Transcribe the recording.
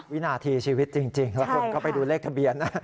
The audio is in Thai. วินาทีชีวิตจริงแล้วคนก็ไปดูเลขทะเบียนนะ